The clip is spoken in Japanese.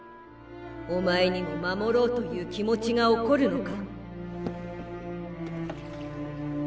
おまえにも護ろうという気持ちが起こるのか？